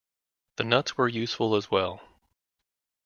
The nuts were useful as well.